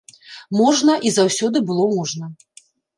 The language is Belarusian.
Можна, і заўсёды было можна.